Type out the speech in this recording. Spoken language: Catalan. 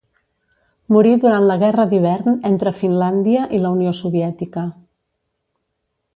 Morí durant la Guerra d'hivern entre Finlàndia i la Unió Soviètica.